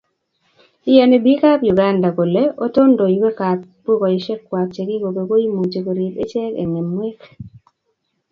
iyoni biikab Uganda kole otondoiwekab kukoisuekwak chekikobek koimuchi koriib ichek eng' ng'emwek.